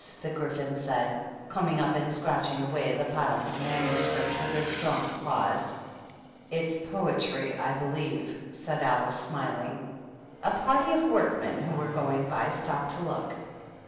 ^' the Gryphon said, coming up, and scratching away at the piles of manuscript with his strong claws. " It's poetry, I believe,*' said Alice, smiling. A party of workmen, who were going by, stopped to look.